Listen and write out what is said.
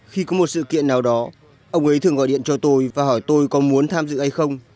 khi có một sự kiện nào đó ông ấy thường gọi điện cho tôi và hỏi tôi có muốn tham dự hay không